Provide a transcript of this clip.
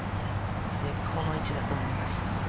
最高の位置だと思います。